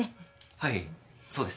はいそうです。